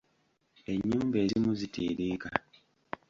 Ennyumba ezimu zitiiriika.